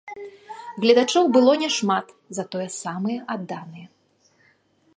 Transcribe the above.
Гледачоў было няшмат, затое самыя адданыя.